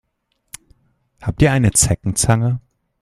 Habt ihr eine Zeckenzange?